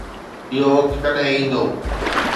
اهو وقت ڪڏهن ايندو؟